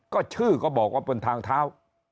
ก็ชื่อก็บอกว่าเป็นทางเท้า